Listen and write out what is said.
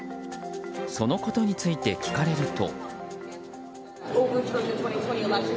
そのことについて聞かれると。